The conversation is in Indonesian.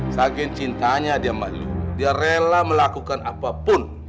saking cintanya dia sama lo dia rela melakukan apapun